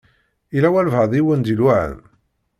Yella walebɛaḍ i wen-d-iluɛan?